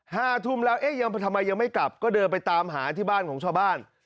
ห้าทุ่มแล้วเอ๊ะยังทำไมยังไม่กลับก็เดินไปตามหาที่บ้านของชาวบ้าน